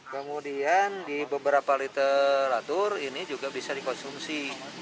kemudian di beberapa literatur ini juga bisa dikonsumsi